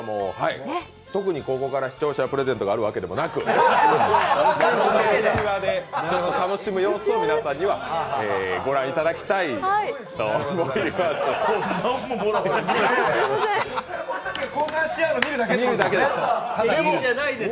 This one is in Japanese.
特に、ここから視聴者プレゼントがあるわけでもなく本当にうちわで楽しむ様子を皆さんには御覧いただきたいと思います。